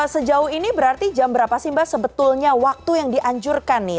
sejauh ini berarti jam berapa sih mbak sebetulnya waktu yang dianjurkan nih